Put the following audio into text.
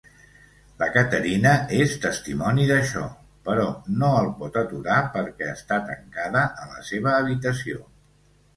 La Katerina és testimoni d'això, però no el pot aturar perquè està tancada a la seva habitació.